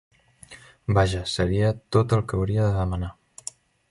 Vaja, seria tot el que hauria de demanar!